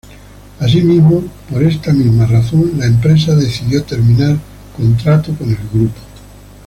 Asimismo, por esta misma razón la empresa decidió terminar contrato con el grupo.